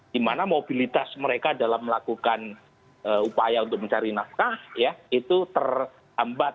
di mana mobilitas mereka dalam melakukan upaya untuk mencari nafkah ya itu terhambat